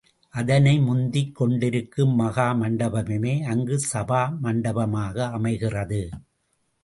அதனை முந்திக் கொண்டிருக்கும் மகா மண்டபமே அங்கு சபா மண்டபமாக அமைகிறது.